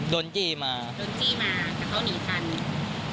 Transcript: โดนจี้มาแต่เขาก็หนีกัน